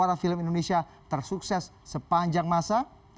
bagaimana film indonesia tersukses sepanjang masa